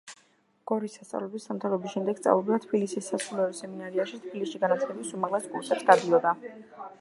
გორის სასწავლებლის დამთავრების შემდეგ სწავლობდა თბილისის სასულიერო სემინარიაში, თბილისში განათლების უმაღლეს კურსებს გადიოდა.